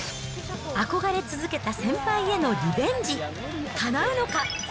憧れ続けた先輩へのリベンジ、かなうのか。